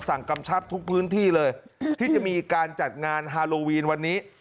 กำชับทุกพื้นที่เลยที่จะมีการจัดงานฮาโลวีนวันนี้